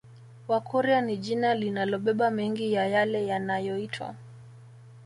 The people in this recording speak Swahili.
Wakurya ni jina linalobeba mengi ya yale yanaoyoitwa